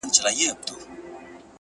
د وخت پاچا زه په يوه حالت کي رام نه کړم